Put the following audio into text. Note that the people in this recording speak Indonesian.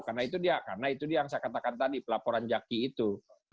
karena itu dia yang saya katakan tadi pelaporan jaki itu